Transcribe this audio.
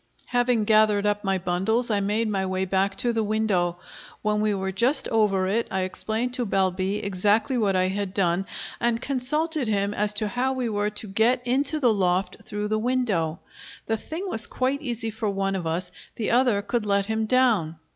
Having gathered up my bundles, I made my way back to the window. When we were just over it I explained to Balbi exactly what I had done, and consulted him as to how we were to get into the loft through the window. The thing was quite easy for one of us; the other could let him down.